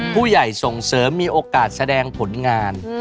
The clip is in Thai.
ผู้ใหญ่ส่งเสริมมีโอกาสแสดงผลงาน